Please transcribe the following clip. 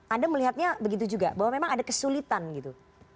anda melihatnya begitu juga bahwa memang ada kesulitan gitu